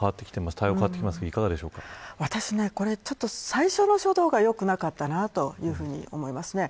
対応が変わってきてますが最初の初動が良くなかったなというふうに思います。